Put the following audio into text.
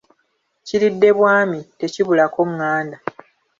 Kiridde bwami, tekibulako nganda.